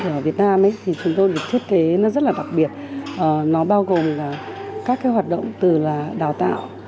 ở việt nam thì chúng tôi được thiết kế rất là đặc biệt nó bao gồm các hoạt động từ đào tạo